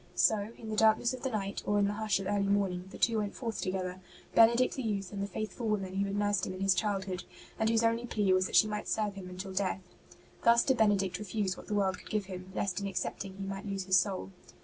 So, in the darkness of the night, or in the hush of early morning, the two went forth together — Benedict the youth and the faithful woman who had nursed him in his childhood, and whose only plea was that she might serve him until death. Thus did Benedict refuse what the world could give him, lest in accepting he might lose his soul.